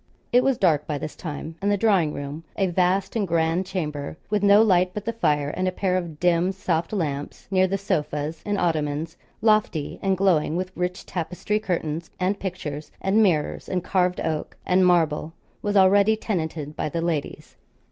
It was dark by this time, and the drawing room, a vast and grand chamber, with no light but the fire and a pair of dim soft lamps near the sofas and ottomans, lofty, and glowing with rich tapestry curtains and pictures, and mirrors, and carved oak, and marble was already tenanted by the ladies.